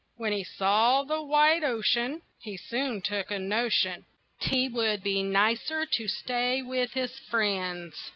When he saw the wide ocean, He soon took a notion 'T would be nicer to stay with his friends.